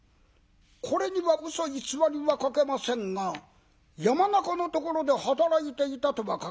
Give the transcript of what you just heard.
これにはうそ偽りは書けませんが山中のところで働いていたとは書きませんで。